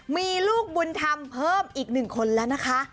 มีลูกบุญธรรมเพิ่มอีก๑คนแล้วนะคะ